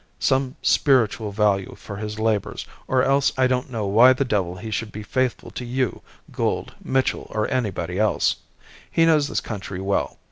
some spiritual value for his labours, or else I don't know why the devil he should be faithful to you, Gould, Mitchell, or anybody else. He knows this country well.